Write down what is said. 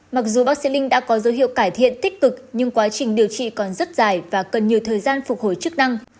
mặc dù bác sĩ linh đã có dấu hiệu cải thiện tích cực nhưng quá trình điều trị còn rất dài và cần nhiều thời gian phục hồi chức năng